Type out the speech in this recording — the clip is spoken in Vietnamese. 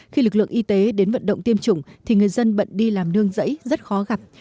khi lực lượng y tế đến vận động tiêm chủng thì người dân bận đi làm nương rẫy rất khó gặp